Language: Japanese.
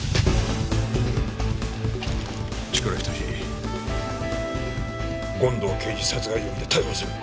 千倉仁権藤刑事殺害容疑で逮捕する！